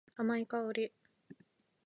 甘い香り。